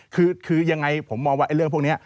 คือยังไงผมมองว่าเรื่องพวกนี้